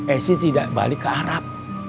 esi tidak balik ke arab